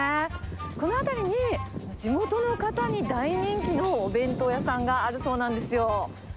この辺りに地元の方に大人気のお弁当屋さんがあるそうなんですよ。